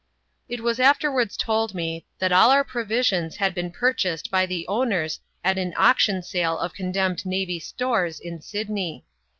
It was afterwards told me, that all our provisions had been purchased by the owners at an auction sale of condemned navy stores in Sydney.